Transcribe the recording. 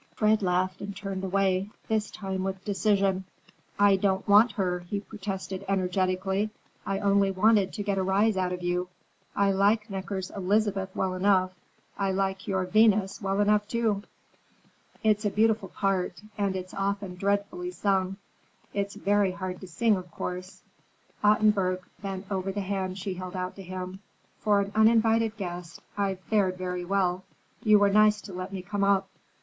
Fred laughed and turned away, this time with decision. "I don't want her!" he protested energetically. "I only wanted to get a rise out of you. I like Necker's Elizabeth well enough. I like your Venus well enough, too." "It's a beautiful part, and it's often dreadfully sung. It's very hard to sing, of course." Ottenburg bent over the hand she held out to him. "For an uninvited guest, I've fared very well. You were nice to let me come up.